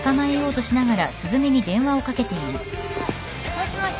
もしもし？